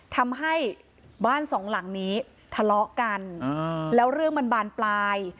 ทำให้บ้านสองหลังนี้ทะเลาะกันแล้วเรื่องมันบานปลาย